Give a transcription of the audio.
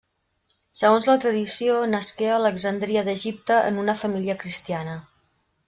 Segons la tradició, nasqué a Alexandria d'Egipte en una família cristiana.